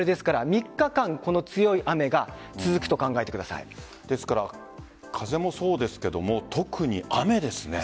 ３日間、この強い雨がですから、風もそうですが特に雨ですね。